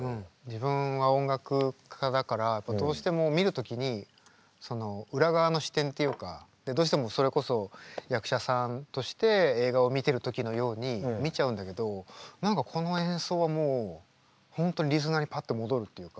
自分は音楽家だからどうしても見る時にその裏側の視点っていうかどうしてもそれこそ役者さんとして映画を見てる時のように見ちゃうんだけど何かこの演奏はもう本当にリスナーにパッと戻るっていうか。